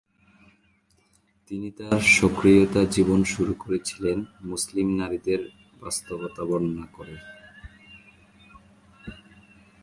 তিনি তার সক্রিয়তা জীবন শুরু করেছিলেন মুসলিম নারীদের বাস্তবতা বর্ণনা করে।